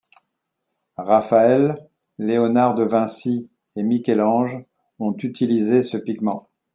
Raphaël, Léonard de Vinci et Michel-Ange ont utilisé ce pigment.